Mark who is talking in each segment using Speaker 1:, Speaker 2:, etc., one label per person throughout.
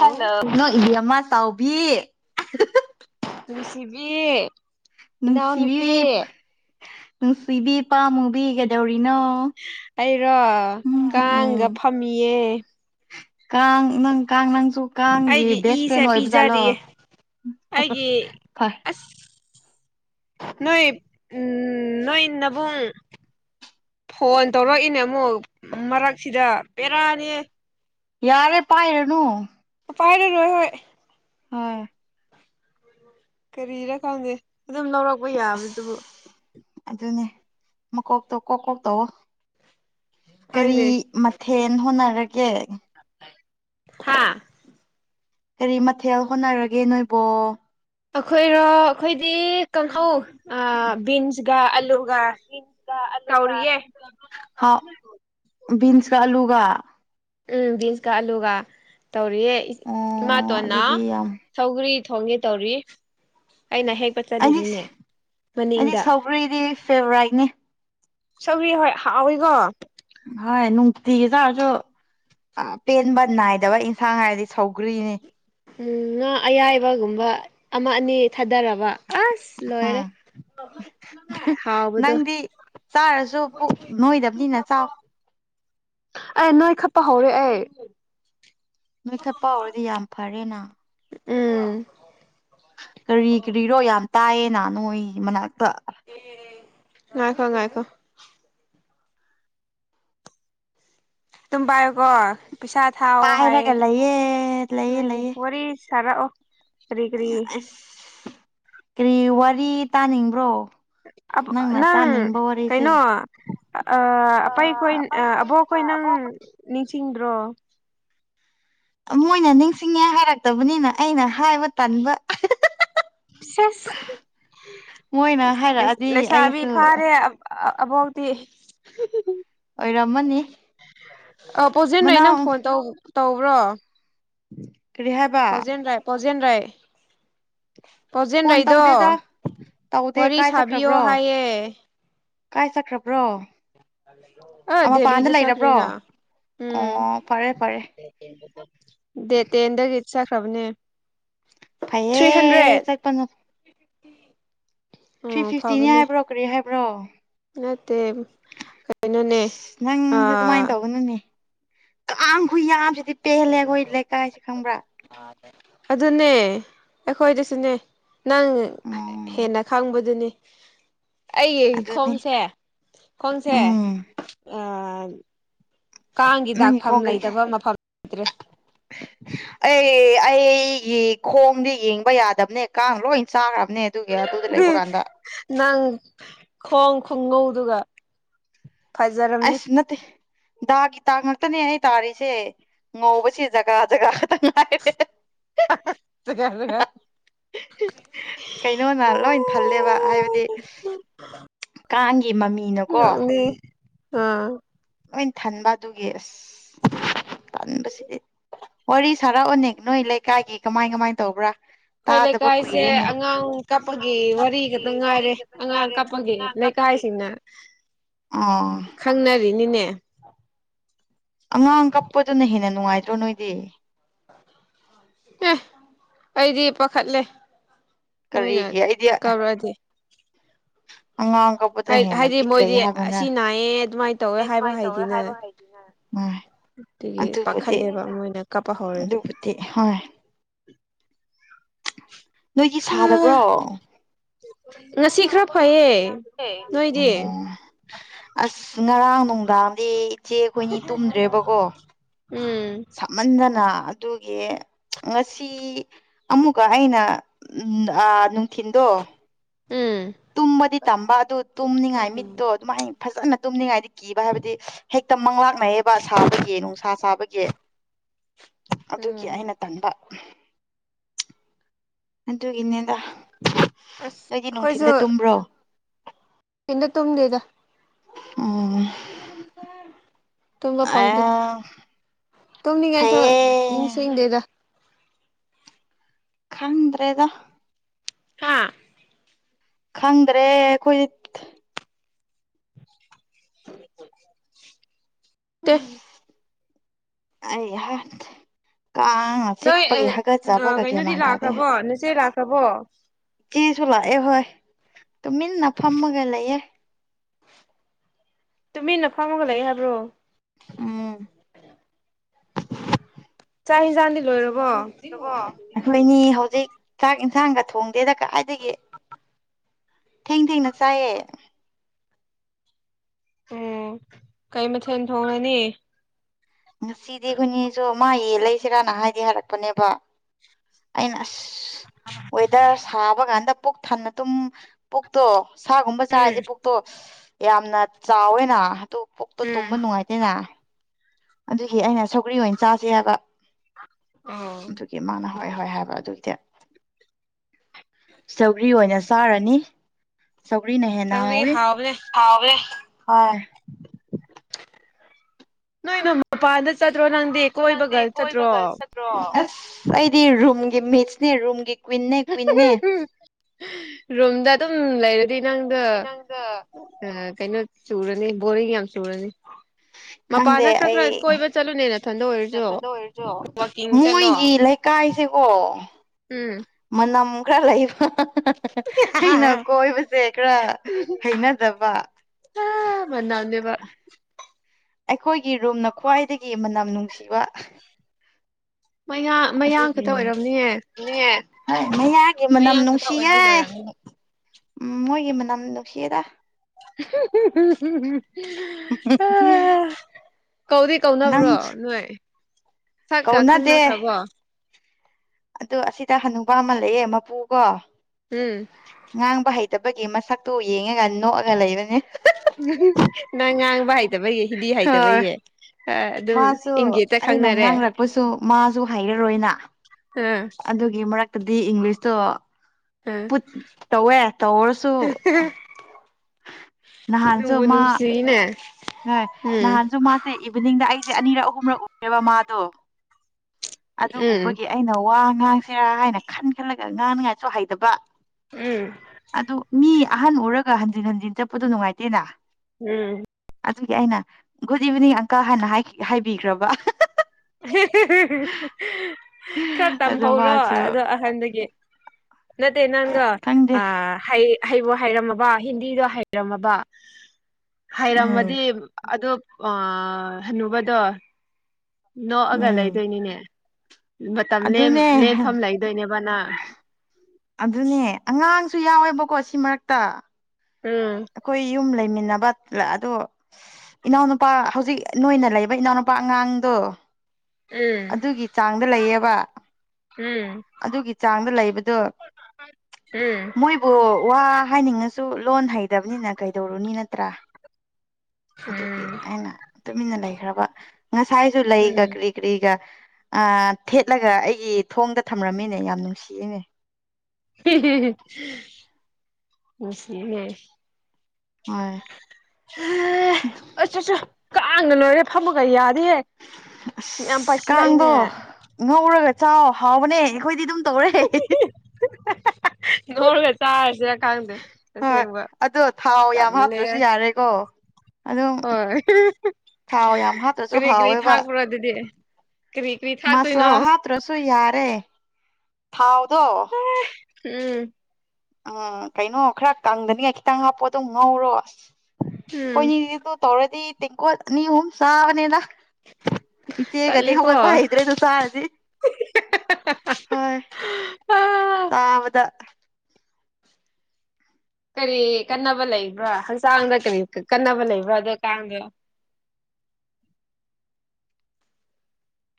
Speaker 1: hello ꯅꯣꯏ ꯏꯕꯤꯃꯥ ꯆꯥꯎꯕꯤ
Speaker 2: ꯅꯨꯡꯁꯤꯕꯤ ꯏꯅꯥꯎ ꯅꯨꯄꯤ
Speaker 1: ꯅꯨꯡꯁꯤꯕꯤ ꯅꯨꯡꯁꯤꯕꯤ ꯄꯥꯝꯃꯨꯕꯤ ꯀꯩꯗꯧꯔꯤꯅꯣ
Speaker 2: ꯑꯩꯔꯣ
Speaker 1: ꯎꯝ ꯎꯝ
Speaker 2: ꯀꯥꯡꯒ ꯐꯝꯃꯤꯌꯦ
Speaker 1: ꯀꯥꯡ ꯅꯪ ꯀꯥꯡ ꯅꯪꯁꯨ ꯀꯥꯡꯒꯤ
Speaker 2: ꯑꯩꯒꯤ
Speaker 1: ꯕꯦꯁ ꯐ꯭ꯔꯦꯟ
Speaker 2: ꯏꯁꯦ
Speaker 1: ꯑꯣꯏꯕꯖꯥꯠꯂꯣ
Speaker 2: ꯄꯤꯖꯔꯤꯌꯦ ꯑꯩꯒꯤ
Speaker 1: ꯍꯣꯢ
Speaker 2: ꯑꯁ ꯅꯣꯏ ꯎꯝ ꯅꯣꯏ ꯅꯕꯨꯡ ꯐꯣꯟ ꯇꯧꯔꯛꯏꯅꯦ ꯑꯃꯨꯛ ꯃꯔꯛꯁꯤꯗ ꯕꯦꯔꯥꯅꯦꯍꯦ
Speaker 1: ꯌꯥꯔꯦ ꯄꯥꯏꯔꯅꯨ
Speaker 2: ꯄꯥꯏꯔꯔꯣꯏ ꯍꯣꯏ
Speaker 1: ꯍꯣꯢ
Speaker 2: ꯀꯔꯤꯔꯥ ꯈꯪꯗꯦ ꯑꯗꯨꯝ ꯂꯧꯔꯛꯄ ꯌꯥꯕ ꯑꯗꯨꯕꯨ
Speaker 1: ꯑꯁ ꯑꯗꯨꯅꯦ ꯃꯀꯣꯛꯇ ꯀꯣꯀꯣꯛ ꯇꯧꯋꯣ ꯀꯔꯤ
Speaker 2: ꯍꯣꯏꯅꯦ
Speaker 1: ꯃꯊꯦꯜ ꯍꯣꯠꯅꯔꯒꯦ
Speaker 2: ꯍꯥꯥ
Speaker 1: ꯀꯔꯤ ꯃꯊꯦꯜ ꯍꯣꯠꯅꯔꯒꯦ ꯅꯣꯏꯕꯣ
Speaker 2: ꯑꯩꯈꯣꯏꯔꯣ ꯑꯩꯈꯣꯏꯗꯤ ꯀꯥꯡꯍꯧ ꯑꯥ ꯕꯤꯟꯁꯒ ꯑꯂꯨꯒ
Speaker 1: ꯕꯤꯟꯁꯀ ꯑꯂꯨꯒ
Speaker 2: ꯇꯧꯔꯤꯌꯦ
Speaker 1: ꯕꯤꯟꯁ ꯀ ꯑꯜꯂꯨꯒ
Speaker 2: ꯎꯝ ꯕꯤꯟꯁꯀ ꯑꯂꯨꯒ ꯇꯧꯔꯤꯌꯦ
Speaker 1: ꯑꯣ
Speaker 2: ꯏꯃꯥꯇꯣꯟꯅ
Speaker 1: ꯑꯗꯨꯗꯤ ꯌꯥꯝ
Speaker 2: ꯁꯧꯒ꯭ꯔꯤ ꯊꯣꯡꯒꯦ ꯇꯧꯔꯤ ꯑꯩꯅ ꯍꯦꯛꯄ
Speaker 1: ꯑꯩꯗꯤ
Speaker 2: ꯆꯠꯂꯤꯅꯤꯅꯦ
Speaker 1: ꯑꯩꯗꯤ
Speaker 2: ꯃꯅꯤꯡꯗ
Speaker 1: ꯁꯧꯒ꯭ꯔꯤꯗꯤ ꯐꯦꯕꯣꯔꯥꯏꯠꯅꯤ
Speaker 2: ꯁꯧꯒ꯭ꯔꯤ ꯍꯣꯏ ꯍꯥꯎꯋꯤꯒꯣ
Speaker 1: ꯍꯣꯏ ꯅꯨꯡꯇꯤꯒꯤ ꯆꯥꯔꯁꯨ ꯑꯥ ꯄꯦꯟꯕ ꯅꯥꯏꯗꯕ ꯏꯟꯁꯥꯡ ꯍꯥꯏꯔꯗꯤ ꯁꯧꯒ꯭ꯔꯤꯅꯤ
Speaker 2: ꯎꯝ ꯉꯥ ꯑꯌꯥꯏꯕꯒꯨꯝꯕ ꯑꯃ ꯑꯅꯤ ꯊꯥꯗꯔꯕ ꯑꯁ
Speaker 1: ꯎꯝ
Speaker 2: ꯂꯣꯢꯔꯦ ꯍꯥꯎꯕꯗꯣ
Speaker 1: ꯅꯪꯗꯤ ꯆꯥꯔꯁꯨ ꯄꯨꯛ ꯅꯣꯏꯗꯕꯅꯤꯅ ꯆꯥꯎ
Speaker 2: ꯑꯦ ꯅꯣꯏ ꯈꯠꯄ ꯍꯧꯔꯦ ꯑꯩ
Speaker 1: ꯅꯣꯏ ꯈꯠꯄ ꯍꯥꯎꯔꯗꯤ ꯌꯥꯝ ꯐꯔꯦꯅ
Speaker 2: ꯎꯝ
Speaker 1: ꯀꯔꯤ ꯀꯔꯤꯔꯣ ꯌꯥꯝ ꯇꯥꯏꯌꯦꯅ ꯅꯣꯏ ꯃꯅꯥꯛꯇ
Speaker 2: ꯉꯥꯏꯈꯣ ꯉꯥꯏꯈꯣ ꯑꯗꯨꯝ ꯄꯥꯢꯌꯨꯒꯣ ꯄꯩꯁꯥ ꯊꯥꯎꯑꯣ ꯍꯥꯏ
Speaker 1: ꯄꯥꯏꯔꯒ ꯂꯩꯌꯦ ꯂꯩꯌꯦ
Speaker 2: ꯍꯥꯏꯅꯦ
Speaker 1: ꯂꯩꯌꯦ
Speaker 2: ꯋꯥꯔꯤ ꯁꯥꯔꯛꯑꯣ ꯀꯔꯤ ꯀꯔꯤ
Speaker 1: ꯀꯔꯤ ꯋꯥꯔꯤ ꯇꯥꯅꯤꯡꯕ꯭ꯔꯣ
Speaker 2: ꯑꯥ
Speaker 1: ꯅꯪꯅ
Speaker 2: ꯅꯪ
Speaker 1: ꯇꯥꯅꯤꯡꯕ ꯋꯥꯔꯤꯁꯦ
Speaker 2: ꯀꯩꯅꯣ ꯑꯥ
Speaker 1: ꯑ
Speaker 2: ꯑꯕꯩ ꯈꯣꯢ
Speaker 1: ꯑꯩꯈꯣꯏ
Speaker 2: ꯑꯕꯣꯛꯈꯣꯏ ꯅꯪ ꯅꯤꯡꯁꯤꯡꯗ꯭ꯔꯣ
Speaker 1: ꯃꯣꯏꯅ ꯅꯤꯡꯁꯤꯡꯉꯦ ꯍꯥꯏꯔꯛꯇꯕꯅꯤꯅ ꯑꯩꯅ ꯍꯥꯏꯕ ꯇꯟꯕ ꯃꯣꯏꯅ ꯍꯥꯏꯔꯛꯑꯗꯤ
Speaker 2: ꯂꯩꯁꯥꯕꯤ
Speaker 1: ꯑꯩꯁꯨ
Speaker 2: ꯐꯥꯔꯦ ꯑꯕꯣꯛꯇꯤ
Speaker 1: ꯑꯣꯏꯔꯝꯃꯅꯤ
Speaker 2: ꯑ ꯄꯣꯖꯤꯟ ꯂꯩ
Speaker 1: ꯃꯅꯥꯎ
Speaker 2: ꯅꯪ ꯐꯣꯟ ꯇꯧ ꯇꯧꯕ꯭ꯔꯣ
Speaker 1: [unintelligible]
Speaker 2: ꯄꯖꯦꯟ ꯔꯥꯏ ꯄꯣꯖꯦꯟ ꯔꯥꯏ
Speaker 1: ꯐꯣꯟ
Speaker 2: ꯄꯣꯖꯦꯟꯔꯩꯗꯣ
Speaker 1: ꯇꯧꯗꯦꯗ ꯇꯧꯗꯦ
Speaker 2: ꯋꯥꯔꯤ
Speaker 1: ꯀꯥꯏ
Speaker 2: ꯁꯥꯕꯤꯌꯣ
Speaker 1: ꯆꯠꯈ꯭ꯔꯕ꯭ꯔꯣ
Speaker 2: ꯍꯥꯏꯌꯦ
Speaker 1: ꯀꯥꯏ ꯆꯠꯈ꯭ꯔꯕ꯭ꯔꯣ
Speaker 2: ꯑ
Speaker 1: ꯃꯄꯥꯟꯗ
Speaker 2: ꯗꯦꯜꯂꯤꯗ
Speaker 1: ꯂꯩꯔꯕ꯭ꯔꯣ
Speaker 2: ꯆꯠꯈ꯭ꯔꯦꯅ ꯎꯝ
Speaker 1: ꯑꯣ ꯐꯔꯦ ꯐꯔꯦ
Speaker 2: ꯗꯦꯠ ꯇꯦꯟꯗꯒꯤ ꯆꯠꯈ꯭ꯔꯕꯅꯦ ꯊ꯭ꯔꯤ
Speaker 1: ꯐꯩꯌꯦ
Speaker 2: ꯍꯟꯗ꯭ꯔꯦꯠ
Speaker 1: ꯆꯠꯄꯅ ꯊ꯭ꯔꯤ
Speaker 2: ꯑꯣ
Speaker 1: ꯐꯤꯐꯇꯤꯅꯦ
Speaker 2: ꯐꯕꯅꯦ
Speaker 1: ꯍꯥꯏꯕ꯭ꯔꯣ ꯀꯔꯤ ꯍꯥꯏꯕ꯭ꯔꯣ
Speaker 2: ꯅꯠꯇꯦ ꯀꯩꯅꯣꯅꯦ ꯑ
Speaker 1: [unintelligible] ꯅꯦ ꯀꯥꯡꯈꯨ ꯌꯥꯝꯁꯤꯗꯤ ꯄꯦꯜꯂꯦ ꯑꯩꯈꯣꯏ ꯂꯩꯀꯥꯏꯁꯤꯦ ꯈꯪꯕ꯭ꯔꯥ
Speaker 2: ꯑꯗꯨꯅꯦ ꯑꯩꯈꯣꯏꯗꯁꯨꯅꯦ ꯅꯪ
Speaker 1: ꯎꯝ
Speaker 2: ꯍꯦꯟꯅ ꯈꯪꯕꯗꯨꯅꯤ ꯑꯩꯒꯤ
Speaker 1: ꯑꯗꯨꯅꯤ
Speaker 2: ꯈꯣꯡꯁꯦ ꯈꯣꯡꯁꯦ
Speaker 1: ꯎꯝ
Speaker 2: ꯑ ꯀꯥꯡꯒꯤ
Speaker 1: ꯅꯪꯒꯤ
Speaker 2: ꯗꯥꯛꯐꯝ
Speaker 1: ꯈꯣꯡ ꯀꯔꯤ
Speaker 2: ꯂꯩꯇꯕ ꯃꯐꯝ ꯂꯩꯇ꯭ꯔꯦ
Speaker 1: ꯑꯩ ꯑꯩꯒꯤ ꯈꯣꯡꯗꯤ ꯌꯦꯡꯕ ꯌꯥꯗꯕꯅꯦ ꯀꯥꯡ ꯂꯣꯏ ꯆꯥꯈ꯭ꯔꯕꯅꯦ ꯑꯗꯨꯒꯤ ꯑꯗꯨꯗ ꯂꯩꯕ ꯀꯥꯟꯗ
Speaker 2: ꯅꯪ ꯈꯣꯡ ꯈꯣꯡꯉꯧꯗꯨꯒ ꯐꯖꯔꯝꯅꯤ
Speaker 1: ꯑꯁ ꯅꯠꯇꯦ ꯗꯥꯒꯤ ꯇꯥꯡ ꯉꯛꯇꯅꯦ ꯑꯩ ꯇꯥꯔꯤꯁꯦ ꯉꯧꯕꯁꯦ ꯖꯒꯥ ꯖꯒꯥ ꯉꯥꯏꯔꯦ
Speaker 2: ꯍ ꯍ ꯖꯥꯒ ꯖꯥꯒ
Speaker 1: ꯀꯩꯅꯣꯅ ꯂꯣꯏ ꯊꯜꯂꯦꯕ ꯍꯥꯏꯕꯗꯤ ꯀꯥꯡ ꯃꯃꯤꯅꯣ
Speaker 2: ꯅꯪꯗꯤ ꯑꯥ
Speaker 1: ꯂꯣꯏ ꯊꯟꯕ ꯑꯗꯨꯒꯤ ꯑꯁ ꯇꯟꯕꯁꯤꯗꯤ ꯋꯥꯔꯤ ꯁꯥꯔꯛꯑꯣꯅꯤ ꯅꯣꯏ ꯂꯩꯀꯥꯏꯒꯤ ꯀꯃꯥꯏ ꯀꯃꯥꯏ ꯇꯧꯕ꯭ꯔꯥ
Speaker 2: ꯑꯩꯈꯣꯏ
Speaker 1: ꯇꯥꯗꯕ
Speaker 2: ꯂꯩꯀꯥꯏꯁꯦ
Speaker 1: ꯀꯨꯏꯔꯦꯅꯦ
Speaker 2: ꯑꯉꯥꯡ ꯀꯥꯞꯄꯒꯤ
Speaker 1: [inaudible]
Speaker 2: ꯋꯥꯔꯤ
Speaker 1: ꯀꯄꯒꯤ
Speaker 2: ꯈꯛꯇ
Speaker 1: ꯋꯥꯔꯤ
Speaker 2: ꯉꯥꯏꯔꯦ
Speaker 1: ꯈꯛꯇ
Speaker 2: ꯑꯉꯥꯡ
Speaker 1: ꯉꯥꯏꯔꯦ
Speaker 2: ꯀꯥꯞꯄꯒꯤ
Speaker 1: ꯑꯉꯥꯡ ꯀꯞꯄꯒꯤ
Speaker 2: ꯂꯩꯀꯥꯏꯁꯤꯡꯅ
Speaker 1: ꯑꯣ
Speaker 2: ꯈꯪꯅꯔꯤꯅꯤꯅꯦ
Speaker 1: ꯑꯉꯥꯡ ꯀꯞꯄꯗꯨꯅ ꯍꯦꯟꯅ ꯅꯨꯡꯉꯥꯏꯗ꯭ꯔꯣ ꯅꯣꯏꯗꯤ
Speaker 2: ꯑꯦ ꯑꯩꯗꯤ ꯄꯥꯈꯠꯂꯦ ꯃꯣꯏꯅ
Speaker 1: ꯀꯔꯤꯒꯤ ꯑꯩꯗꯤ
Speaker 2: ꯀꯧꯔꯛꯑꯗꯤ
Speaker 1: ꯑꯉꯥꯡꯒꯧꯕꯗ ꯍꯦꯟꯅ
Speaker 2: ꯍꯥꯏꯗꯤ
Speaker 1: ꯕꯤꯠ ꯂꯩ
Speaker 2: ꯃꯣꯏꯗꯤ
Speaker 1: ꯍꯥꯏꯕꯅ
Speaker 2: ꯑꯁꯤ ꯅꯥꯏꯌꯦ ꯑꯗꯨꯃꯥꯏꯅ ꯇꯧꯋꯦ
Speaker 1: ꯅꯣꯏ
Speaker 2: ꯍꯥꯏꯕ
Speaker 1: ꯑꯗꯨꯃꯥꯏꯅ ꯇꯧꯋꯦ
Speaker 2: ꯍꯥꯏꯗꯤꯅ
Speaker 1: ꯍꯥꯏꯕꯅ [inaudible]
Speaker 2: ꯑꯗꯨꯒꯤ ꯄꯥꯈꯜꯂꯦꯕ ꯃꯣꯏꯅ ꯀꯥꯞꯄ ꯍꯧꯔꯦ
Speaker 1: ꯑꯗꯨꯕꯨꯗꯤ ꯍꯣꯏ ꯅꯣꯏꯒꯤ ꯁꯥꯗꯕ꯭ꯔꯣ
Speaker 2: ꯉꯁꯤ ꯈꯔ ꯐꯩꯌꯦ ꯅꯣꯏꯗꯤ
Speaker 1: ꯑꯣ ꯑꯁ ꯉꯔꯥꯡ ꯅꯨꯡꯗꯥꯡꯗꯤ ꯏꯆꯦ ꯑꯩꯈꯣꯏꯅꯤ ꯇꯨꯝꯗ꯭ꯔꯦꯕꯀꯣ
Speaker 2: ꯎꯝ
Speaker 1: ꯁꯝꯃꯟꯗꯅ ꯑꯗꯨꯒꯤ ꯉꯁꯤ ꯑꯃꯨꯛꯀ ꯑꯩꯅ ꯅꯨꯡꯊꯤꯟꯗꯣ
Speaker 2: ꯎꯝ
Speaker 1: ꯇꯨꯝꯃꯗꯤ ꯇꯝꯕ ꯑꯗꯨ ꯇꯨꯝꯅꯤꯡ ꯉꯥꯏꯃꯤꯠꯇꯣ ꯑꯗꯨꯃꯥꯏꯅ ꯐꯖꯅ ꯇꯨꯝꯅꯤꯡꯉꯥꯏꯗꯤ ꯀꯤꯕ ꯍꯥꯏꯕꯗꯤ ꯍꯦꯛꯇ ꯃꯪꯂꯥꯛꯅꯩꯌꯦꯕ ꯕ ꯁꯥꯕꯒꯤ ꯅꯨꯡꯁꯥ ꯁꯥꯕꯒꯤ ꯑꯗꯨꯒꯤ
Speaker 2: ꯎꯝ
Speaker 1: ꯑꯩꯅ ꯇꯟꯕ ꯑꯗꯨꯒꯤꯅꯦꯗ
Speaker 2: ꯑꯁ
Speaker 1: ꯅꯪꯗꯤ ꯅꯨꯡꯊꯤꯟꯗ ꯇꯨꯝꯕ꯭ꯔꯣ
Speaker 2: ꯅꯨꯡꯊꯤꯜꯗ ꯇꯨꯝꯗꯦꯗ
Speaker 1: ꯑꯣ
Speaker 2: ꯇꯨꯝꯕ ꯐꯪꯗꯦ ꯇꯨꯝꯅꯤꯡꯉꯥꯏꯁꯨ
Speaker 1: ꯐꯩꯌꯦ
Speaker 2: ꯅꯤꯡꯁꯤꯡꯗꯦꯗ
Speaker 1: ꯈꯪꯗ꯭ꯔꯦꯗ
Speaker 2: ꯍꯥꯥ
Speaker 1: ꯈꯪꯗ꯭ꯔꯦ ꯑꯩꯈꯣꯏ
Speaker 2: ꯇꯦ
Speaker 1: ꯑꯩꯍꯥ ꯀꯥꯡꯅ
Speaker 2: ꯅꯣꯏ
Speaker 1: ꯆꯤꯛꯄꯒꯤ ꯍꯥꯒꯠꯆꯕꯒ ꯀꯌꯥꯟ
Speaker 2: ꯀꯩꯅꯣꯗꯤ
Speaker 1: ꯃꯦꯟ ꯇꯥꯗꯦ
Speaker 2: ꯂꯥꯛꯈ꯭ꯔꯕꯣ ꯅꯆꯦ ꯂꯥꯛꯈ꯭ꯔꯕꯣ
Speaker 1: ꯀꯦꯁꯨ ꯂꯥꯛꯑꯦ ꯍꯣꯏ ꯇꯨꯃꯤꯟꯅ ꯐꯝꯃꯒ ꯂꯩꯌꯦ
Speaker 2: ꯇꯨꯃꯤꯟꯅ ꯐꯝꯃꯒ ꯂꯩꯌꯦ ꯍꯥꯏꯕ꯭ꯔꯣ
Speaker 1: ꯎꯝ
Speaker 2: ꯆꯥꯛ ꯍꯟꯖꯥꯡꯗꯤ ꯂꯣꯏꯔꯕꯣ
Speaker 1: ꯑꯩꯈꯣꯏꯅꯤ ꯍꯧꯖꯤꯛ ꯆꯥꯛ ꯌꯦꯟꯁꯥꯡꯒ ꯊꯣꯡꯗꯦꯗ ꯀꯗꯥꯥꯏꯗꯒꯤ ꯊꯦꯡ ꯊꯦꯡꯅ ꯆꯥꯏꯌꯦ
Speaker 2: ꯑꯣ ꯀꯩ ꯃꯊꯦꯜ ꯊꯣꯡꯉꯅꯤ
Speaker 1: ꯉꯁꯤꯗꯤ ꯑꯩꯈꯣꯏꯅꯤꯁꯨ ꯃꯥ ꯌꯦꯟ ꯂꯩꯁꯤꯔꯥꯅ ꯍꯥꯏꯗꯤ ꯍꯥꯏꯔꯛꯄꯅꯦꯕ ꯑꯩꯅ ꯑꯁ ꯋꯦꯗꯔ ꯁꯥꯕ ꯀꯥꯟꯗ ꯄꯨꯛ ꯊꯟꯅ ꯑꯗꯨꯝ ꯄꯨꯛꯇꯣ ꯁꯥꯒꯨꯝꯕ
Speaker 2: ꯎꯝ
Speaker 1: ꯆꯥꯔꯗꯤ ꯄꯨꯛꯇꯣ ꯌꯥꯝꯅ ꯆꯥꯎꯋꯦꯅ ꯑꯗꯨ ꯄꯣꯛꯇꯣ
Speaker 2: ꯎꯝ
Speaker 1: ꯇꯨꯝꯕ ꯅꯨꯡꯉꯥꯏꯇꯦꯅ ꯑꯗꯨꯒꯤ ꯑꯩꯅ ꯁꯧꯒ꯭ꯔꯤ ꯑꯣꯏꯅ ꯆꯥꯁꯦ ꯍꯥꯏꯕ
Speaker 2: ꯑꯣ
Speaker 1: ꯑꯗꯨꯒꯤ ꯃꯥꯅ ꯍꯣꯏ ꯍꯣꯏ ꯍꯥꯏꯕ ꯑꯗꯨꯏꯗꯤ ꯁꯧꯒ꯭ꯔꯤ ꯑꯣꯏꯅ ꯆꯥꯔꯅꯤ ꯁꯧꯒꯔꯤꯅ ꯍꯦꯟꯅ
Speaker 2: ꯆꯪꯔꯤ
Speaker 1: ꯍꯧꯋꯦ
Speaker 2: ꯍꯥꯎꯕꯅꯦ
Speaker 1: ꯍꯧꯋꯦ ꯍꯣꯢ
Speaker 2: ꯅꯣꯏꯗꯣ ꯃꯄꯥꯟꯗ ꯆꯠꯇ꯭ꯔꯣ ꯅꯪꯗꯤ
Speaker 1: ꯑꯗꯣ
Speaker 2: ꯀꯣꯏꯕꯒ
Speaker 1: ꯅꯪꯗꯤ
Speaker 2: ꯆꯠꯇ꯭ꯔꯣ
Speaker 1: ꯀꯣꯏꯕꯒ ꯑꯁ ꯑꯩꯗꯤ ꯔꯨꯝꯒꯤ ꯃꯤꯠꯁꯅꯦ ꯔꯨꯝꯒꯤ ꯀꯨꯋꯤꯟꯅꯦ ꯀꯨꯋꯏꯟꯅꯦ
Speaker 2: ꯔꯨꯝꯗ ꯑꯗꯨꯝ ꯂꯩꯔꯗꯤ ꯅꯪꯗꯣ
Speaker 1: ꯅꯪꯗꯣ
Speaker 2: ꯑ ꯀꯩꯅꯣ ꯆꯨꯔꯅꯤ ꯕꯣꯔꯤꯡ ꯌꯥꯝ ꯆꯨꯔꯅꯤ
Speaker 1: ꯈꯪꯗꯦ
Speaker 2: ꯃꯄꯥꯟꯗ ꯈꯔ
Speaker 1: ꯑꯩ
Speaker 2: ꯈꯔ ꯀꯣꯏꯕ ꯆꯠꯂꯨꯅꯦ ꯅꯊꯥꯟꯇ ꯑꯣꯏꯔꯁꯨ
Speaker 1: ꯅꯊꯟꯗ
Speaker 2: ꯋꯥꯋꯀꯤꯡ ꯆꯠꯂꯣ
Speaker 1: ꯀꯥꯏꯁꯦ ꯀꯣ
Speaker 2: ꯎꯝ
Speaker 1: ꯃꯅꯝ ꯈꯔ ꯂꯩꯕ ꯑꯩꯅ ꯀꯣꯏꯕꯁꯦ ꯈꯔ ꯍꯩꯅꯗꯕ
Speaker 2: ꯑꯦ ꯃꯅꯥꯝꯅꯦꯕ
Speaker 1: ꯑꯩꯈꯣꯏꯒꯤ ꯔꯨꯝꯅ ꯈ꯭ꯋꯥꯏꯗꯒꯤ ꯃꯅꯝ ꯅꯨꯡꯁꯤꯕ
Speaker 2: ꯃꯌꯥ ꯃꯌꯥꯡ
Speaker 1: ꯑꯗꯨꯒꯤ
Speaker 2: ꯈꯛꯇ ꯑꯣꯏꯔꯝꯅꯤꯌꯦ
Speaker 1: ꯍꯣꯏ ꯃꯌꯥꯡꯒꯤ ꯃꯅꯝ
Speaker 2: ꯃꯌꯥꯡ ꯈꯛꯇ
Speaker 1: ꯅꯨꯡꯁꯤꯌꯦ
Speaker 2: ꯑꯣꯏꯕꯒꯤ ꯑꯣꯏꯔꯝꯅꯤ
Speaker 1: ꯎꯝ ꯃꯣꯢꯒꯤ ꯃꯅꯝ ꯅꯨꯡꯁꯤꯌꯦꯗ
Speaker 2: ꯎ ꯍ [unintelligible] ꯀꯧꯗꯤ
Speaker 1: ꯅꯪ
Speaker 2: ꯀꯧꯅꯕ꯭ꯔꯣ ꯅꯣꯏ ꯁꯥꯛꯀ ꯈꯪꯅꯈ꯭ꯔꯕꯣ
Speaker 1: ꯑꯗꯣ ꯑꯁꯤꯗ ꯍꯥꯅꯨꯕꯥ ꯑꯃ ꯂꯩꯑꯦ ꯃꯄꯨꯒꯣ
Speaker 2: ꯎꯝ
Speaker 1: ꯉꯥꯡꯕ ꯍꯩꯇꯕꯒꯤ ꯃꯁꯛꯇꯨ ꯌꯦꯡꯉꯒ ꯅꯣꯛꯑꯒ ꯂꯩꯕꯅꯦ
Speaker 2: ꯅꯪ ꯉꯥꯡꯕ ꯍꯩꯇꯕꯒꯤ ꯍꯤꯗꯤ
Speaker 1: ꯍꯣꯏ
Speaker 2: ꯍꯩꯇꯕꯒꯤ ꯑꯗꯨꯝ
Speaker 1: ꯃꯥꯁꯨ
Speaker 2: ꯏꯪꯒꯤꯠꯇ
Speaker 1: ꯑꯩꯅ
Speaker 2: ꯈꯪꯅꯔꯦ
Speaker 1: ꯉꯥꯡꯔꯛꯄꯁꯨ ꯃꯥꯁꯨ ꯍꯥꯏꯔꯔꯣꯏꯅ
Speaker 2: ꯎꯝ
Speaker 1: ꯑꯗꯨꯒꯤ ꯃꯔꯛꯇꯗꯤ ꯏꯪꯂꯤꯁꯇꯣ
Speaker 2: ꯑꯥ
Speaker 1: ꯄꯨꯠ ꯇꯧꯋꯦ ꯇꯧꯔꯁꯨ ꯅꯍꯥꯟꯁꯨ
Speaker 2: ꯅꯨꯡꯕꯨ
Speaker 1: ꯃꯥ
Speaker 2: ꯅꯨꯡꯁꯤꯅꯦ
Speaker 1: ꯍꯣꯏ
Speaker 2: ꯎꯝ
Speaker 1: ꯅꯍꯥꯟꯁꯨ ꯃꯥꯁꯦ ꯏꯚꯅꯤꯡꯗ ꯑꯩꯁꯦ ꯑꯅꯤꯔꯛ ꯑꯍꯨꯝꯔꯛ ꯎꯕꯅꯦꯕ ꯃꯥꯗꯣ ꯑꯗꯨ
Speaker 2: ꯎꯝ
Speaker 1: ꯎꯕꯒꯤ ꯑꯩꯅ ꯋꯥ ꯉꯥꯡꯁꯤꯔꯥ ꯍꯥꯏꯅ ꯈꯟ ꯈꯜꯂꯒ ꯉꯥꯡꯅꯉꯥꯏꯁꯨ ꯍꯩꯗꯕ
Speaker 2: ꯎꯝ
Speaker 1: ꯑꯗꯨ ꯃꯤ ꯑꯍꯟ ꯎꯔꯒ ꯍꯟꯖꯤꯟ ꯍꯟꯖꯤꯟ ꯆꯠꯄꯗꯣ ꯅꯨꯡꯉꯥꯏꯇꯦꯅ
Speaker 2: ꯎꯝ
Speaker 1: ꯑꯗꯨꯒꯤ ꯑꯩꯅ ꯒꯨꯗ ꯏꯚꯤꯅꯤꯡ ꯑꯪꯀꯜ ꯍꯥꯢꯅ ꯍꯥꯏꯕꯤꯈ꯭ꯔꯕ
Speaker 2: ꯈꯔ
Speaker 1: ꯑꯗꯣ
Speaker 2: ꯇꯝꯍꯧꯔꯣ
Speaker 1: ꯃꯥꯁꯨ
Speaker 2: ꯑꯗꯣ ꯑꯍꯟꯗꯒꯤ ꯅꯠꯇꯦ ꯅꯪꯗꯣ
Speaker 1: ꯈꯪꯗꯦ
Speaker 2: ꯑ ꯍꯩ ꯍꯩꯕꯨ ꯍꯩꯔꯝꯃꯕ ꯍꯤꯟꯗꯤꯗꯣ ꯍꯩꯔꯝꯃꯕ
Speaker 1: ꯎꯝ
Speaker 2: ꯍꯩꯔꯝꯃꯗꯤ ꯑꯗꯣ ꯑ ꯍꯅꯨꯕꯗꯣ ꯅꯣꯛꯑꯒ
Speaker 1: ꯎꯝ
Speaker 2: ꯂꯩꯗꯣꯏꯅꯤꯅꯦ ꯃꯇꯝ
Speaker 1: ꯑꯗꯨꯅꯦ
Speaker 2: ꯂꯦꯝꯐꯝ ꯂꯩꯗꯣꯏꯅꯦꯕꯅ
Speaker 1: ꯑꯗꯨꯅꯦ ꯑꯉꯥꯡꯁꯨ ꯌꯥꯎꯋꯦꯕꯀꯣ ꯁꯤ ꯃꯔꯛꯇ
Speaker 2: ꯎꯝ
Speaker 1: ꯑꯩꯈꯣꯏ ꯌꯨꯝ ꯂꯩꯃꯤꯟꯅꯕ ꯑꯗꯣ ꯏꯅꯥꯎꯅꯨꯄꯥ ꯍꯧꯖꯤꯛ ꯅꯣꯏꯅ ꯂꯩꯕ ꯏꯅꯥꯎꯅꯨꯄꯥ ꯑꯉꯥꯡꯗꯣ
Speaker 2: ꯎꯝ
Speaker 1: ꯑꯗꯨꯒꯤ ꯆꯥꯡꯗ ꯂꯩꯌꯦꯕ
Speaker 2: ꯎꯝ
Speaker 1: ꯑꯗꯨꯒꯤ ꯆꯥꯡꯗ ꯂꯩꯕꯗꯣ
Speaker 2: ꯎꯝ
Speaker 1: ꯃꯣꯏ ꯕꯣ ꯋꯥ ꯍꯥꯏꯅꯤꯡꯉꯁꯨ ꯂꯣꯟ ꯍꯩꯇꯕꯅꯤꯅ ꯀꯩꯗꯧꯔꯨꯅꯤ ꯅꯠꯇ꯭ꯔꯥ ꯑꯗꯨꯒꯤ
Speaker 2: ꯎꯝ
Speaker 1: ꯑꯩꯅ ꯇꯨꯃꯤꯟꯅ ꯂꯩꯈ꯭ꯔꯕ ꯉꯁꯥꯏꯁꯨ ꯂꯩꯒ
Speaker 2: ꯎꯝ
Speaker 1: ꯀꯔꯤ ꯀꯔꯤꯒ ꯑ ꯊꯦꯠꯂꯒ ꯑꯩꯒꯤ ꯊꯣꯡꯗ ꯊꯝꯔꯝꯃꯤꯅꯦ ꯌꯥꯝ ꯅꯨꯡꯁꯤꯌꯦꯅꯦ
Speaker 2: [unintelligible] ꯅꯨꯡꯁꯤꯍꯦ
Speaker 1: ꯍꯣꯏ
Speaker 2: ꯑꯦ ꯑꯁꯨꯠꯁꯨ ꯀꯥꯡꯅ ꯂꯣꯏꯔꯦ ꯐꯝꯃꯒ ꯌꯥꯗꯤꯍꯦ
Speaker 1: ꯑꯁ ꯀꯥꯡꯗꯣ ꯉꯧꯔꯒ ꯆꯥꯎ ꯍꯥꯎꯕꯅꯦ ꯑꯩꯈꯣꯏꯗꯤ ꯑꯗꯨꯝ ꯇꯧꯔꯦ
Speaker 2: ꯉꯧꯔꯒ ꯆꯥꯔꯁꯤꯅ ꯈꯪꯗꯦ
Speaker 1: ꯍꯣꯏ
Speaker 2: ꯑꯁꯦꯡꯕ
Speaker 1: ꯑꯗꯣ ꯊꯥꯎ ꯌꯥꯝ ꯍꯥꯞꯇ꯭ꯔꯁꯨ
Speaker 2: ꯇꯜꯂꯦ
Speaker 1: ꯌꯥꯔꯦꯀꯣ ꯑꯗꯨꯝ
Speaker 2: ꯍꯣꯏ
Speaker 1: ꯊꯥꯎ ꯌꯥꯝ ꯍꯥꯞꯇ꯭ꯔꯁꯨ
Speaker 2: ꯀꯔꯤ ꯀꯔꯤ
Speaker 1: ꯍꯥꯎꯋꯦꯕ
Speaker 2: ꯊꯥꯛꯄ꯭ꯔꯣ ꯑꯗꯨꯗꯤ ꯀꯔꯤ ꯀꯔꯤ ꯊꯥꯛꯇꯣꯏꯅꯣ
Speaker 1: ꯆꯠꯇ꯭ꯔꯁꯨ ꯌꯥꯔꯦ ꯊꯥꯎꯗꯣ
Speaker 2: ꯎꯝ
Speaker 1: ꯎꯝ ꯀꯩꯅꯣ ꯈꯔ ꯀꯪꯗꯅꯤ ꯈꯤꯇꯪ ꯍꯥꯞꯄꯣ ꯑꯗꯨꯝ ꯉꯧꯔꯣ
Speaker 2: ꯎꯝ
Speaker 1: ꯑꯩꯈꯣꯏꯅꯤꯗꯤ ꯑꯗꯨ ꯇꯧꯔꯗꯤ ꯇꯦꯡꯀꯣꯜ ꯑꯅꯤ ꯑꯍꯨꯝ ꯆꯥꯕꯅꯤꯗ ꯏꯆꯦꯒꯗꯤ
Speaker 2: ꯇꯜꯂꯦꯀꯣ
Speaker 1: ꯍꯧꯒꯠꯄ ꯍꯩꯗ꯭ꯔꯦ ꯑꯗꯨꯆꯥꯔꯗꯤ ꯍꯣꯏ ꯆꯥꯕꯗ
Speaker 2: ꯀꯔꯤ ꯀꯟꯅꯕ ꯂꯩꯕ꯭ꯔꯥ ꯍꯛꯆꯥꯡꯗ ꯀꯔꯤ ꯀꯟꯅꯕ ꯂꯩꯕ꯭ꯔꯥ ꯑꯗꯨꯀꯥꯟꯗꯣ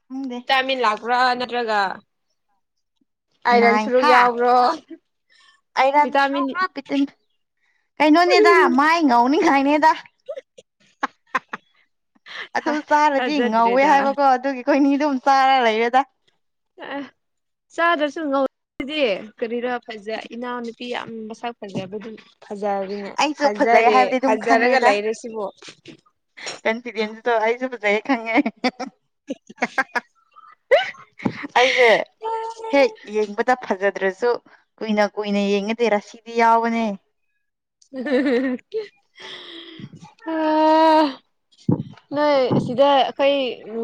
Speaker 1: ꯍꯪꯗꯦ
Speaker 2: ꯆꯥꯃꯤꯟ ꯂꯥꯛꯄ꯭ꯔꯥ ꯅꯠꯇ꯭ꯔꯒ ꯑꯥꯏꯔꯟ
Speaker 1: ꯅꯥꯏ
Speaker 2: ꯁꯨꯔꯨꯛ
Speaker 1: ꯍꯥ
Speaker 2: ꯌꯥꯎꯕ꯭ꯔꯣ
Speaker 1: ꯑꯥꯏꯔꯟ
Speaker 2: ꯚꯤꯇꯥꯃꯤꯟ
Speaker 1: ꯁꯨꯔꯨꯕ꯭ꯔꯥ ꯄꯤꯇꯤꯟ ꯀꯩꯅꯣꯅꯦꯗ ꯃꯥꯏ ꯉꯧꯅꯤꯉꯥꯏꯅꯦꯗ ꯑꯗꯨ ꯆꯥꯔꯗꯤ ꯉꯧꯋꯦ
Speaker 2: ꯊꯥꯖꯗ꯭ꯔꯦꯗ
Speaker 1: ꯍꯥꯏꯕꯀꯣ ꯑꯗꯨꯒꯤ ꯑꯩꯈꯣꯏꯅꯤ ꯑꯗꯨꯝ ꯆꯥꯔ ꯂꯩꯔꯦꯗ
Speaker 2: ꯑ ꯑꯦ ꯆꯥꯗ꯭ꯔꯁꯨ ꯉꯧꯗꯤ ꯀꯔꯤꯔꯥ ꯐꯖ ꯏꯅꯥꯎꯅꯨꯄꯤ ꯌꯥꯝ ꯃꯁꯛ ꯐꯖꯕ ꯗꯨꯝ ꯐꯖꯔꯒꯤꯅꯦ
Speaker 1: ꯑꯩꯁꯨ ꯐꯖꯩ
Speaker 2: ꯐꯖꯔꯦ
Speaker 1: ꯍꯥꯏꯕꯗꯤ
Speaker 2: ꯐꯖꯔꯒ ꯂꯩꯔ ꯁꯤꯕꯣ
Speaker 1: ꯀꯟꯐꯤꯗꯦꯟꯇꯣ ꯑꯩꯁꯨ ꯐꯖꯩꯌꯦ ꯈꯪꯉꯦ
Speaker 2: [unintelligible]
Speaker 1: ꯑꯩꯖꯦ ꯍꯦꯠ ꯌꯦꯡꯕꯗ ꯐꯖꯗ꯭ꯔꯁꯨ ꯀꯨꯏꯅ ꯀꯨꯏꯅ ꯌꯦꯡꯉꯗꯤ ꯔꯁꯤꯗꯤ ꯌꯥꯎꯕꯅꯦ
Speaker 2: [unintelligible] ꯍꯥ ꯅꯣꯏ ꯑꯁꯤꯗ ꯑꯈꯣꯏ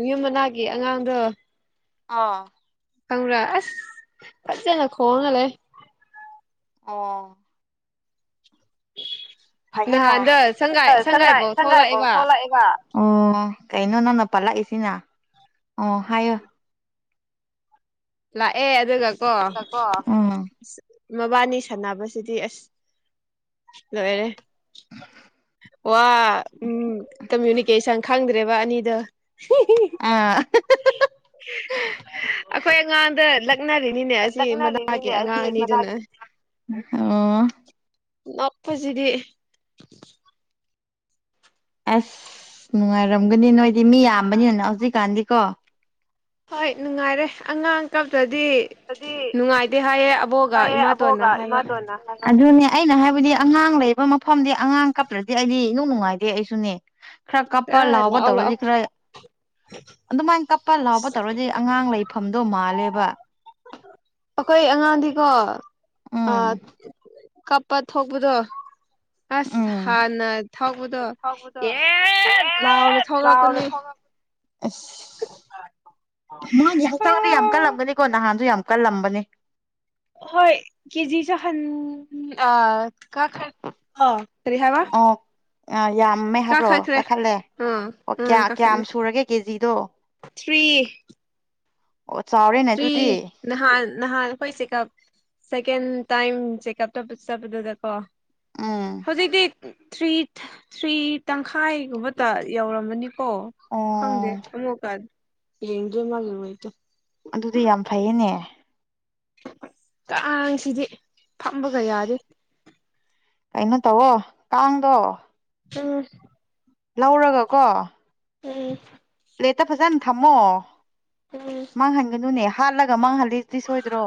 Speaker 2: ꯌꯨꯝ ꯃꯅꯥꯒꯤ ꯑꯉꯥꯡꯗꯣ
Speaker 1: ꯑꯥ
Speaker 2: ꯈꯪꯕ꯭ꯔꯥ ꯑꯁ ꯐꯖꯅ ꯈꯣꯡꯉꯒ ꯂꯦ
Speaker 1: ꯑꯣ ꯐꯌꯦꯅ
Speaker 2: ꯅꯍꯥꯟꯗ ꯁꯪꯒꯥꯏ
Speaker 1: ꯁꯥ ꯁꯪꯒꯥꯏ
Speaker 2: ꯁꯪꯒꯥꯏꯐꯥꯎ
Speaker 1: ꯁꯪꯒꯥꯏꯐꯥꯎ
Speaker 2: ꯊꯣꯛꯂꯛꯑꯦꯕ
Speaker 1: ꯊꯣꯛꯂꯛꯑꯦꯕ ꯑꯣ ꯀꯩꯅꯣ ꯅꯪꯅ ꯄꯜꯂꯛꯏꯁꯤꯅ ꯑꯣ ꯍꯥꯏꯌꯣ
Speaker 2: ꯂꯥꯛꯑꯦ ꯑꯗꯨꯒ ꯀꯣ ꯃꯕꯥꯅꯤ ꯁꯥꯟꯅꯕꯁꯤꯗꯤ ꯑꯁ ꯂꯣꯏꯔꯦ ꯋꯥ ꯎꯝ ꯀꯝꯃ꯭ꯌꯨꯅꯤꯀꯦꯁꯟ ꯈꯪꯗ꯭ꯔꯦꯕ ꯑꯅꯤꯗꯣ ꯍꯦꯍꯦ
Speaker 1: ꯑꯥ
Speaker 2: ꯑꯈꯣꯏ ꯑꯉꯥꯡꯗ ꯂꯛꯅꯔꯤꯅꯤꯅꯦ ꯑꯁꯤ ꯃꯅꯥꯒꯤ
Speaker 1: ꯂꯛꯅꯔꯤꯅꯤꯅꯦ
Speaker 2: ꯑꯉꯥꯡ
Speaker 1: ꯑꯁꯤ ꯃꯅꯥꯛ
Speaker 2: ꯑꯅꯤꯗꯨꯅ
Speaker 1: ꯑꯣ
Speaker 2: ꯅꯞꯄꯖꯤꯗꯤ
Speaker 1: ꯑꯁ ꯅꯨꯡꯉꯥꯏꯔꯝꯒꯅꯤ ꯅꯣꯏꯗꯤ ꯃꯤ ꯌꯥꯝꯕꯅꯤꯅ ꯍꯧꯖꯤꯛꯀꯥꯟꯗꯤꯀꯣ
Speaker 2: ꯍꯣꯏ ꯅꯨꯡꯉꯥꯏꯔꯦ ꯑꯉꯥꯡ ꯀꯞꯇ꯭ꯔꯗꯤ
Speaker 1: ꯗꯤ
Speaker 2: ꯅꯨꯡꯉꯥꯏꯗꯦ ꯍꯥꯏꯌꯦ ꯑꯕꯣꯒ
Speaker 1: ꯍꯥꯏꯌꯦ
Speaker 2: ꯏꯃꯥꯇꯣꯟꯅ
Speaker 1: ꯑꯕꯣꯛꯒ
Speaker 2: ꯍꯥꯏꯕ
Speaker 1: ꯏꯃꯥꯇꯣꯟꯅ ꯑꯗꯨꯅꯦ ꯑꯩꯅ ꯍꯥꯏꯕꯗꯤ ꯑꯉꯥꯡ ꯂꯩꯕ ꯃꯐꯝꯗꯤ ꯑꯉꯥꯡ ꯀꯞꯇ꯭ꯔꯗꯤ ꯑꯩꯗꯤ ꯏꯅꯨꯡ ꯅꯨꯡꯉꯥꯏꯗꯦ ꯑꯩꯁꯨꯅꯦ ꯈꯔ ꯀꯞꯄ
Speaker 2: ꯑ
Speaker 1: ꯂꯥꯎꯕ
Speaker 2: ꯂꯥꯛꯑꯣ ꯂꯥꯛꯑꯣ
Speaker 1: ꯇꯧꯔꯗꯤ ꯈꯔ
Speaker 2: [inaudible]
Speaker 1: ꯄꯥ ꯂꯥꯎꯕ ꯇꯧꯔꯗꯤ ꯑꯉꯥꯡ ꯂꯩꯐꯝꯗꯣ ꯃꯥꯜꯂꯦꯕ
Speaker 2: ꯑꯈꯣꯏ ꯑꯉꯥꯡꯗꯤꯀꯣ ꯑ
Speaker 1: ꯎꯝ
Speaker 2: ꯀꯞꯄ ꯊꯣꯛꯕꯗꯣ ꯑꯁ
Speaker 1: ꯎꯝ
Speaker 2: ꯍꯥꯟꯅ ꯊꯧꯕꯗꯣ
Speaker 1: ꯊꯧꯕꯗꯣ
Speaker 2: ꯑꯦꯠ ꯂꯥꯎꯅ
Speaker 1: ꯌꯦꯠ ꯂꯥꯎꯅ
Speaker 2: ꯊꯧꯔꯛꯄꯅꯤ
Speaker 1: ꯊꯧꯔꯛ ꯑꯁ ꯃꯥꯒꯤ ꯍꯛꯆꯥꯡꯗ ꯌꯥꯝ ꯀꯜꯂꯝꯒꯅꯤꯀꯣ ꯅꯍꯥꯟꯖꯨ ꯌꯥꯝ ꯀꯜꯂꯝꯕꯅꯦ
Speaker 2: ꯍꯣꯏ ꯀꯦꯖꯤꯁꯨ ꯍꯟ ꯑ ꯀꯈꯔ ꯑ ꯇꯔꯤ ꯍꯥꯏꯕ
Speaker 1: ꯑꯣ ꯑ ꯌꯥꯝꯃꯦ ꯍꯥꯏꯕ꯭ꯔꯣ
Speaker 2: ꯀꯥꯈꯠꯈ꯭ꯔꯦ
Speaker 1: ꯀꯈꯠꯂꯦ
Speaker 2: ꯑꯥ
Speaker 1: ꯑꯣ
Speaker 2: ꯎꯝ
Speaker 1: ꯀꯌꯥ ꯀꯌꯥꯝ
Speaker 2: ꯀꯥꯈꯠꯂꯦ
Speaker 1: ꯁꯨꯔꯒꯦ ꯀꯦꯖꯤꯗꯣ
Speaker 2: ꯊ꯭ꯔꯤ
Speaker 1: ꯑꯣ ꯆꯥꯎꯔꯦꯅꯦ
Speaker 2: ꯊ꯭ꯔꯤ
Speaker 1: ꯑꯗꯨꯗꯤ
Speaker 2: ꯅꯍꯥꯟ ꯅꯍꯥꯟ ꯑꯈꯣꯏ ꯆꯦꯛꯀꯞ ꯁꯦꯀꯦꯟ ꯇꯥꯏꯝ ꯆꯦꯛꯑꯞ ꯇꯕ ꯆꯄꯗꯨꯗꯀꯣ
Speaker 1: ꯎꯝ
Speaker 2: ꯍꯧꯖꯤꯛꯗꯤ ꯊ꯭ꯔꯤ ꯊ꯭ꯔꯤ ꯇꯪꯈꯥꯏꯒꯨꯝꯕꯇ ꯌꯧꯔꯝꯃꯅꯤꯞ ꯑꯣ ꯈꯪꯗꯦ ꯑꯃꯣꯛꯀꯠ ꯌꯦꯡꯗꯦ ꯃꯥꯒꯤ ꯋꯦꯠꯇꯨ
Speaker 1: ꯑꯗꯨꯗꯤ ꯌꯥꯝ ꯐꯩꯌꯦꯅꯦ
Speaker 2: ꯀꯥꯡꯁꯤꯗꯤ ꯐꯝꯕꯒ ꯌꯥꯗꯦ
Speaker 1: ꯀꯩꯅꯣ ꯇꯧꯋꯣ ꯀꯥꯡꯗꯣ
Speaker 2: ꯎꯝ
Speaker 1: ꯂꯧꯔꯒ ꯀꯣ
Speaker 2: ꯎꯝ
Speaker 1: ꯄ꯭ꯂꯦꯠꯇ ꯐꯖꯟ ꯊꯝꯃꯣ
Speaker 2: ꯎꯝ
Speaker 1: ꯃꯥꯡꯍꯟꯒꯅꯨꯅꯦ ꯍꯥꯠꯂꯒ ꯃꯥꯡꯍꯜꯂꯤꯗꯤ ꯁꯣꯏꯗ꯭ꯔꯣ